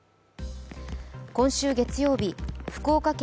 今週月曜日、福岡県